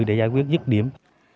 để giải quyết dứt điểm